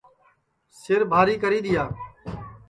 سِربھاری کری دؔیا